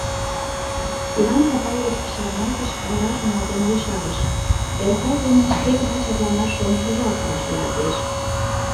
— Иван Сапаевич чарналтыш, вара шоналтен ешарыш: — Эркай семын шке гына чапланаш шонышыжат вашлиялтеш.